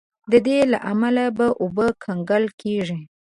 د دې له امله به اوبه کنګل کیږي.